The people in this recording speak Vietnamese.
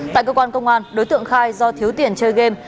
tại cơ quan công an đối tượng khai do thiếu tiền chơi game